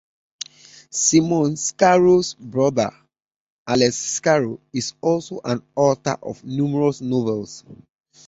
Simon Scarrow's brother, Alex Scarrow, is also an author of numerous novels.